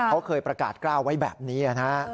เขาเคยประกาศกล้าวไว้แบบนี้นะฮะ